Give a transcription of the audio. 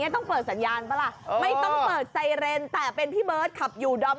ต้องเปิดสัญญาณมั๊ยต้องเฉยเรนตะเป็นที่เบิร์ทขับอยู่ด้อ